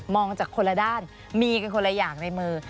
จากคนละด้านมีกันคนละอย่างในมือ